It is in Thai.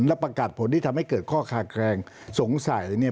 และประกาศผลที่ทำให้เกิดข้อคาแคลงสงสัยเนี่ย